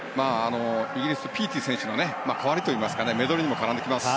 イギリスのピーティの代わりといいますかメドレーにも絡んできます。